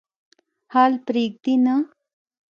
حال پرېږدي نه.